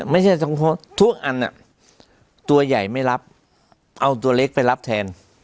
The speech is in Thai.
ไม่ใช่ทุกอันตัวใหญ่ไม่รับเอาตัวเล็กไปรับแทน